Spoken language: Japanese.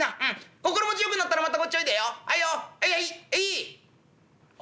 心持ちよくなったらまたこっちおいでよ。あいよあいあいあい。